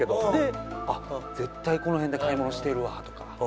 あっ絶対この辺で買い物してるわとか。